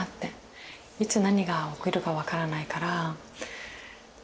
いつ何が起きるか分からないから。